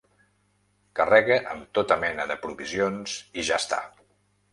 Carrega amb tota mena de provisions i ja està.